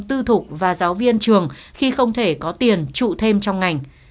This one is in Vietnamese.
tư thục và giáo viên trường khi không thể có tiền trụ thêm trong ngành